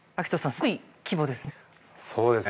すごい規模ですね。